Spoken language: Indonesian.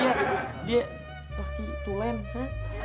laki tulem hah